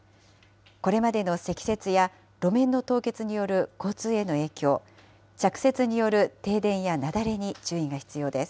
これまでの積雪や路面の凍結による交通への影響、着雪による停電や雪崩に注意が必要です。